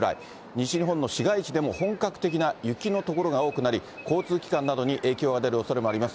西日本の市街地でも本格的な雪の所が多くなり、交通機関などに影響が出るおそれもあります。